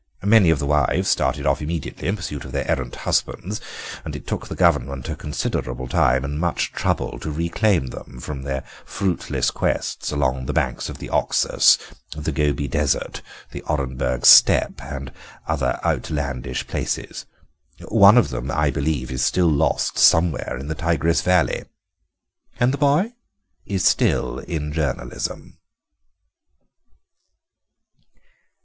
Many of the wives started off immediately in pursuit of their errant husbands, and it took the Government a considerable time and much trouble to reclaim them from their fruitless quests along the banks of the Oxus, the Gobi Desert, the Orenburg steppe, and other outlandish places. One of them, I believe, is still lost somewhere in the Tigris Valley." "And the boy?" "Is still in journalism."